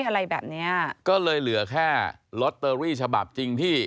อะไรแบบเนี้ยก็เลยเหลือแค่ลอตเตอรี่ฉบับจริงที่